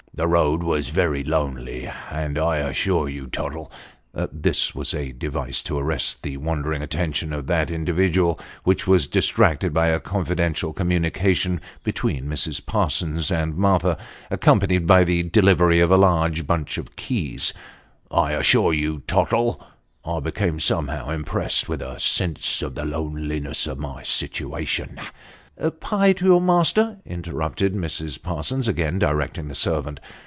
The road was very lonely, and I assure you, Tottle (this was a device to arrest the wandering attention of that individual, which was distracted by a confidential communication between Mrs. Parsons and Martha, accom panied by the delivery of a large bunch of keys), I assure you, Tottle, I became somehow impressed with a sense of the loneliness of my situation "" Pie to your master," interrupted Mrs. Parsons, again directing the servant.